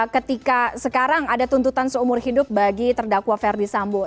ketika sekarang ada tuntutan seumur hidup bagi terdakwa ferdi sambo